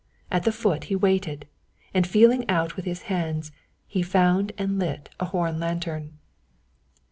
At the foot he waited, and feeling out with his hands he found and lit a horn lantern.